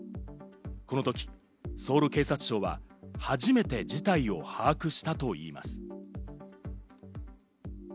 このときソウル警察庁は初めて、事態を把握したといいます。